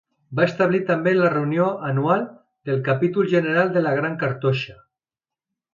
Va establir també la reunió anyal del capítol general de la Gran Cartoixa.